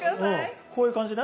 こういう感じね？